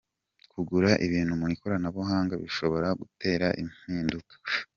Kugura ibintu mu ikoranabuhanga bishobora gutera impinduka.